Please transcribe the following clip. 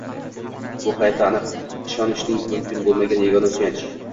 Bu hayotda aniq ishonishing mumkin bo‘lgan yagona suyanch